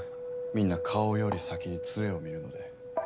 みんな顔より先につえを見るので。